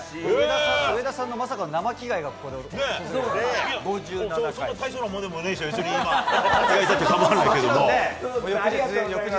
上田さんのまさかの生着替えがここで見れるとは。